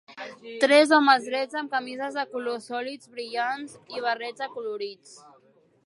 Tres homes drets amb camises de colors sòlids brillants i barrets acolorits.